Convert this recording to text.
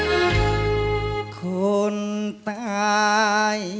แม่ของสลาย